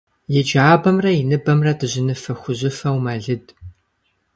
И джабэмрэ и ныбэмрэ дыжьыныфэ-хужьыфэу мэлыд.